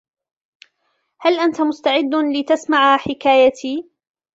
هل أنت مستعد لتسمع حكايتي؟